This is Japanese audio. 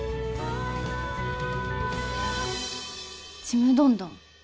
「ちむどんどん」。